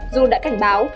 dù đã cảnh báo